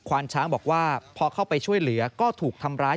ว่าพอเข้าไปช่วยเหลือก็ถูกทำร้าย